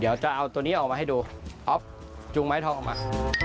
เดี๋ยวจะเอาตัวนี้ออกมาให้ดูออฟจุงไม้ทองออกมา